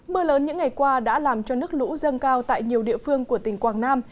mưa lớn những ngày qua đã làm cho nước lũ dâng cao tại nhiều địa phương của tỉnh quảng nam